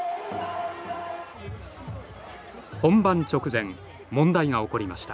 本番直前問題が起こりました。